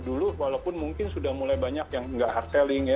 dulu walaupun mungkin sudah mulai banyak yang nggak hard selling ya